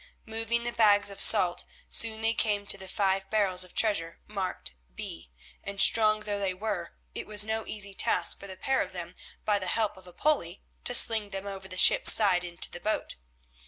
Moving the bags of salt, soon they came to the five barrels of treasure marked B, and, strong though they were, it was no easy task for the pair of them by the help of a pulley to sling them over the ship's side into the boat.